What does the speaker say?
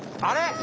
あれ？